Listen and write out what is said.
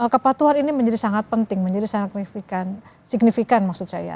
kepatuhan ini menjadi sangat penting menjadi sangat signifikan maksud saya